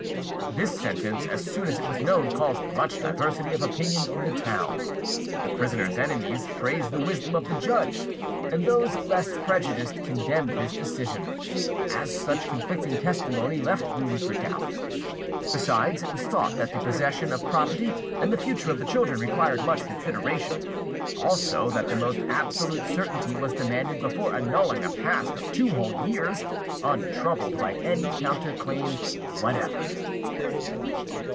This sentence, as soon as it was known, caused much diversity of opinion in the town. The prisoner's enemies praised the wisdom of the judge, and those less prejudiced condemned his decision; as such conflicting testimony left room for doubt. Besides, it was thought that the possession of property and the future of the children required much consideration, also that the most absolute certainty was demanded before annulling a past of two whole years, untroubled by any counter claim whatever.